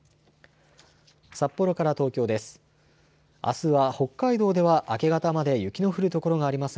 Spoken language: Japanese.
札幌から東京です。